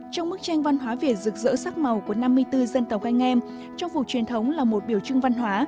trong bức tranh văn hóa việt rực rỡ sắc màu của năm mươi bốn dân tộc anh em trang phục truyền thống là một biểu trưng văn hóa